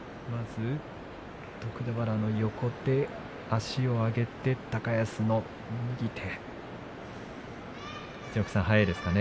徳俵の横で、足を上げて高安の右手。